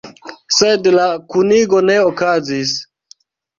Sed la kunigo ne okazis.